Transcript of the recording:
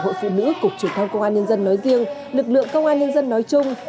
hội phụ nữ cục truyền thông công an nhân dân nói riêng lực lượng công an nhân dân nói chung